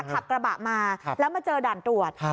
ขับกระบะมาแล้วมาเจอด่านตรวจ